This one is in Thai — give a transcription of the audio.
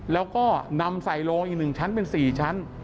แล้วก็นำใส่โรงอีก๑ชั้นเป็น๔ชั้น